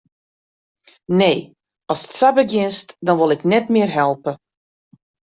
Nee, ast sa begjinst, dan wol ik net mear helpe.